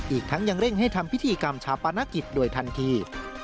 อีกทั้งยังเร่งให้ทำพิธีกรรมชาปนกิจโดยทันที